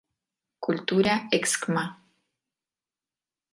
Cultura Excma.